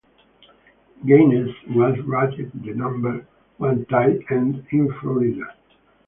Gaines was rated the number one tight end in Florida.